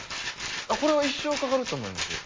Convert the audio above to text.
あこれは一生かかると思います。